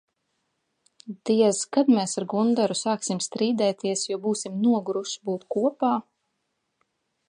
Diez, kad mēs ar Gundaru sāksim strīdēties, jo būsim noguruši būt kopā?